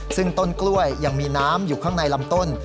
ซึ่งต้นกล้วยยังมีน้ำอยู่ข้างในลำต้น